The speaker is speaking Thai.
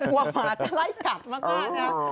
กลัวหมาจะไล่กลับมากครับ